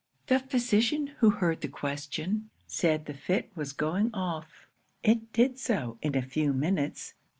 'The physician, who heard the question, said the fit was going off. It did so in a few minutes.